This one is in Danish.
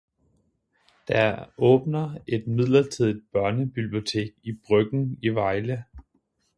Der åbnede et midlertidigt børnebibliotek i Bryggen i Vejle.